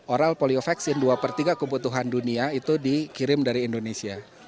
oral polio vaksin dua per tiga kebutuhan dunia itu dikirim dari indonesia